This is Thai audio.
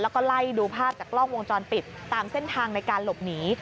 แล้วก็ไล่ดูภาพจากกล้องวงจรปิดตามเส้นทางในการหลบหนี